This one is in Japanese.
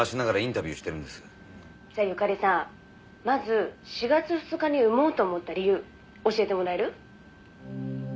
「じゃあ由香利さんまず４月２日に産もうと思った理由教えてもらえる？」